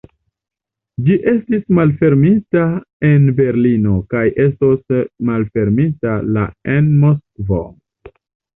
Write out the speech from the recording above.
Ĝi estis malfermita en Berlino kaj estos malfermita la en Moskvo.